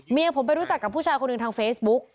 เมียผมไปรู้จักกับผู้ชายคนหนึ่งทางเฟซบุ๊ก